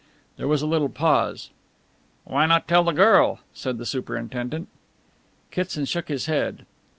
There was a little pause. "Why not tell the girl?" said the superintendent. Kitson shook his head.